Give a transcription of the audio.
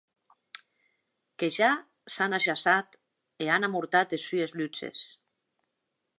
Que ja s’an ajaçat e an amortat es sues lutzes.